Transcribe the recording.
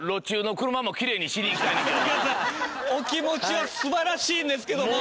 お気持ちは素晴らしいんですけども。